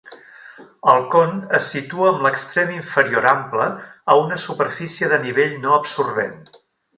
El con es situa amb l'extrem inferior ample a una superfície de nivell no absorbent.